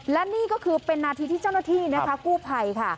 และนี่ก็คือเป็นนาทีที่เจ้าหน้าที่นะคะกู้ภัยค่ะ